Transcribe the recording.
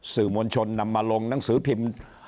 สื่อมวลชนนำมาลงหนังสือพิมพ์